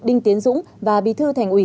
đinh tiến dũng và bí thư thành ủy